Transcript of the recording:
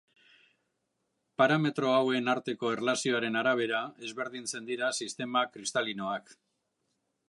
Parametro hauen arteko erlazioaren arabera ezberdintzen dira sistema kristalinoak.